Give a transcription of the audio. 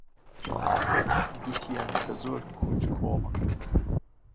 گوتیان کە زۆر کونجکۆڵن.